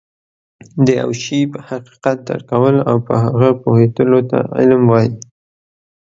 د يوه شي حقيقت درک کول او په هغه پوهيدلو ته علم وایي